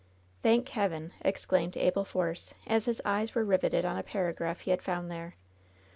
"Thank Heaven !" exclaimed Abel Force, as his eyes were riveted on a paragraph he had found there.